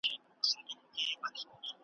بیا به کله را پخلا سي مرور له کوره تللی `